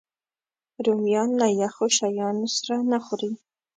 رومیان له یخو شیانو سره نه خوري